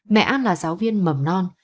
mẹ an là giáo viên mầm non